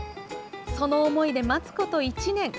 その思いで待つこと１年。